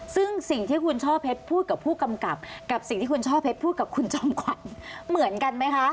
ซึ่งสิ่งที่คุณช่อเพชรพูดกับผู้กำกับกับสิ่งที่คุณช่อเพชรพูดกับคุณจอมขวัญเหมือนกันไหมคะ